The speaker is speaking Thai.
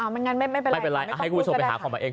ไม่เป็นไรให้คุณผู้ชมไปหาของเขาเอง